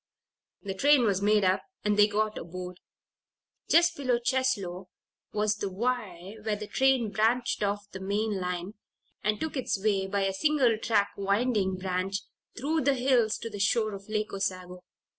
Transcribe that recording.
The train was made up and they got aboard. Just below Cheslow was the Y where this train branched off the main line, and took its way by a single track, winding branch, through the hills to the shore of Lake Osago.